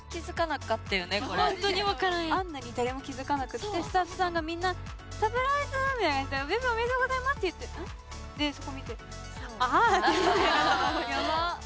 あるのに誰も気付かなくてスタッフさんがみんなサプライズ！みたいな感じでデビューおめでとうございますって言ってでそこ見て「ああ！」って。